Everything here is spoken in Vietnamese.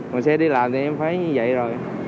mình xe đi làm thì em phải như vậy rồi